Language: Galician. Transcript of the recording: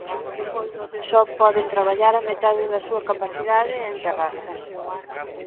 Só poden traballar á metade da súa capacidade e en terraza.